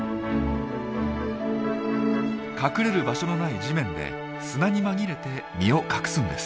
隠れる場所がない地面で砂に紛れて身を隠すんです。